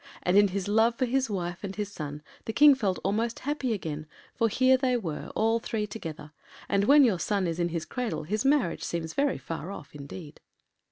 And in his love for his wife and his son the King felt almost happy again, for here they were all three together, and when your son is in his cradle his marriage seems very far off indeed.